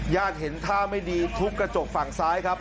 เห็นท่าไม่ดีทุบกระจกฝั่งซ้ายครับ